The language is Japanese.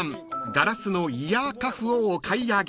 ガラスのイヤーカフをお買い上げ］